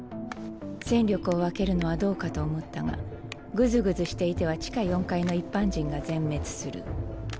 戦力を分けるのはどうかと思ったがグズグズしていては地下４階の一般人が全滅する。